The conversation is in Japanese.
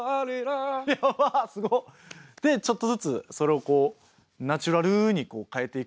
でちょっとずつそれをこうナチュラルに変えていくと。